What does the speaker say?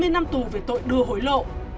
hai mươi năm tù về tội đưa hối lộ